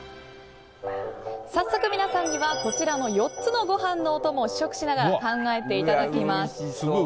早速皆さんにはこちらの４つのご飯のお供を試食しながら考えていただきます。